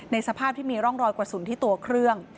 สภาพที่มีร่องรอยกระสุนที่ตัวเครื่อง